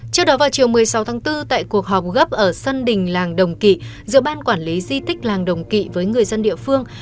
trước đó vào chiều một mươi sáu tháng bốn tại cuộc họp gấp ở sân đình làng đồng kỵ giữa ban quản lý di tích làng đồng kỵ với người dân địa phương